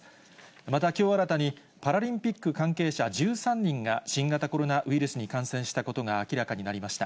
また、きょう新たにパラリンピック関係者１３人が、新型コロナウイルスに感染したことが明らかになりました。